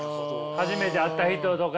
初めて会った人とかに。